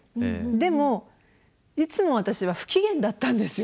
でもいつも私は不機嫌だったんですよ。